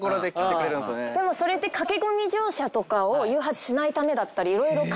でもそれって駆け込み乗車とかを誘発しないためだったり色々考えがあるんですよ。